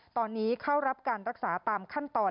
ตอนนี้เข้ารับการรักษาตามขั้นตอน